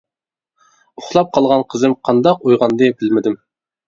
ئۇخلاپ قالغان قىزىم قانداق ئويغاندى بىلمىدىم.